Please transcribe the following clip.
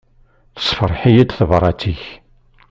Tessefṛeḥ-iyi-d tebrat-ik.